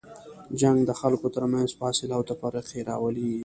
جنګ د خلکو تر منځ فاصله او تفرقې راولي.